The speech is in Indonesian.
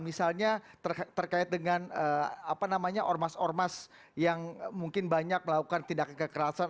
misalnya terkait dengan ormas ormas yang mungkin banyak melakukan tindakan kekerasan